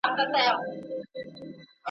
چې د عقل د آیاتو په سر پَل ږدي.